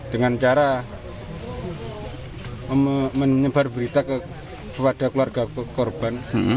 dengan cara menyebar berita kepada keluarga korban